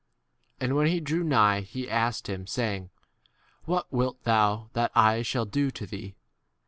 And when he 41 drew nigh he asked him, saying, What wilt thou that I shall do to thee